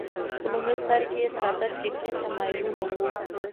په لومړي سر کې ساده فکري تمایلونه وو